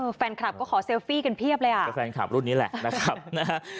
แฟนคลับก็ขอเซลฟี่กันเพียบเลยอ่ะก็แฟนคลับรุ่นนี้แหละนะครับนะฮะ